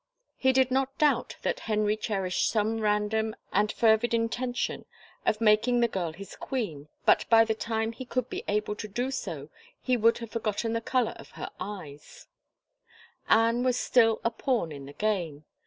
He did not doubt that Henry cherished some random and fervid intention of making the girl his queen but by the time he could be able to do so he would have forgotten the color of her eyes, Anne was still a pawn in the game.